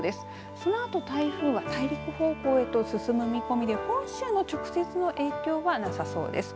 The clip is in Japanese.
そのあと台風は大陸方向へと進む見込みで本州の直接の影響はなさそうです。